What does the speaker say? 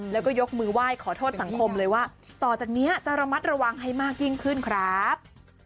แล้วก็ยกมือไหว้ขอโทษสังคมเลยว่าต่อจากนี้จะระมัดระวังให้มากยิ่งขึ้นครับ